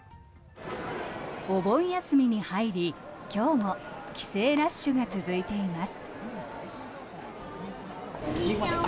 お盆休みに入り、今日も帰省ラッシュが続いています。